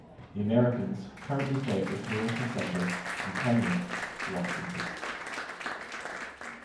The Americans currently play at the Toyota Center in Kennewick, Washington.